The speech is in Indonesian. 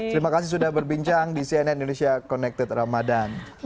terima kasih sudah berbincang di cnn indonesia connected ramadan